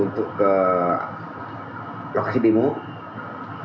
untuk apabila menemukan masa tandingan